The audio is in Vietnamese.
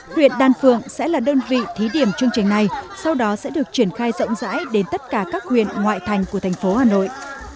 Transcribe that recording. huyện đan phượng sẽ là đơn vị thí điểm chương trình này sau đó sẽ được triển khai rộng rãi đến tất cả các huyện ngoại thành của thành phố hà nội